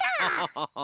ハハハハ。